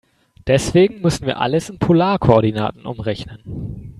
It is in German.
Deswegen müssen wir alles in Polarkoordinaten umrechnen.